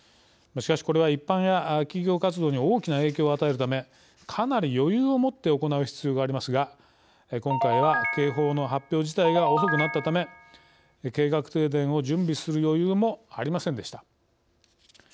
しかし、これは一般や企業活動に大きな影響を与えるためかなり余裕をもって行う必要がありますが今回は警報の発表自体が遅くなったため計画停電を準備する余裕もありませんでした。